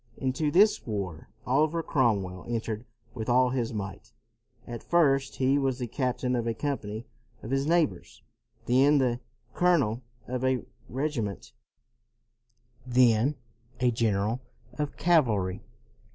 Into this war, Oliver Cromwell entered with all his might. At first he was the captain of a company of his neighbors; 244 CROMWELL then the colonel of a regiment; then a general of cavalry.